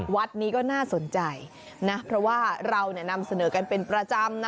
วัดนี้ก็น่าสนใจนะเพราะว่าเรานำเสนอกันเป็นประจำนะ